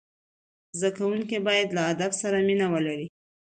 زدهکوونکي باید له ادب سره مینه ولري.